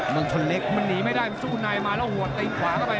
มันหนีไม่ได้สู้ในมาแล้วหัวติดขวาก็ไป